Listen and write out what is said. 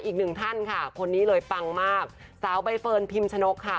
อีกหนึ่งท่านค่ะคนนี้เลยปังมากสาวใบเฟิร์นพิมชนกค่ะ